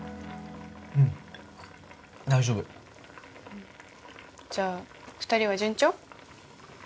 うん大丈夫じゃあ２人は順調？